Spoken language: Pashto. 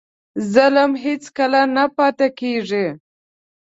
ظلم هېڅکله نه پاتې کېږي.